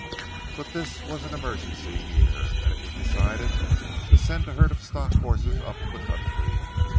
But this was an emergency year, and it was decided to send a herd of stock horses up the country.